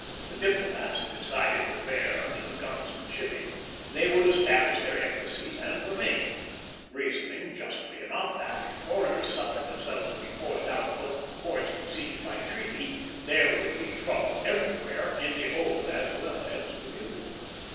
The diplomats had decided that there, under the guns of the shipping, they would establish their embassies and remain; reasoning justly enough that, if foreigners suffered themselves to be forced out of both the ports conceded by treaty, there would be trouble everywhere, in the old as well as the new.